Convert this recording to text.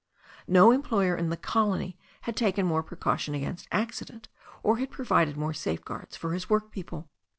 No employer in the colony had taken more precaution against accident, or had provided more safeguards for his work people.